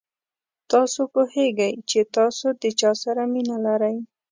تاسو پوهېږئ چې تاسو د چا سره مینه لرئ.